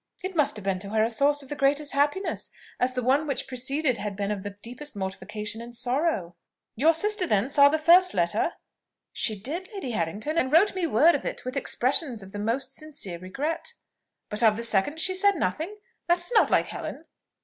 It must have been to her a source of the greatest happiness, as the one which preceded had been of the deepest mortification and sorrow." "Your sister, then, saw the first letter?" "She did, Lady Harrington, and wrote me word of it, with expressions of the most sincere regret." "But of the second she said nothing? That is not like Helen."